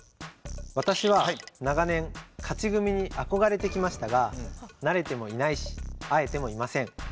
私は長年勝ち組に憧れてきましたがなれてもいないし会えてもいません。